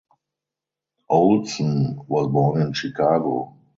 Ohlson was born in Chicago.